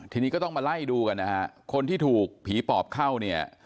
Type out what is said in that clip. ทีนี้ก็ต้องมาไล่ดูกันนะฮะคนที่ถูกผีปอบเข้าเนี่ย